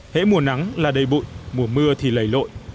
hãy mùa nắng là đầy bụi mùa mưa thì lầy lội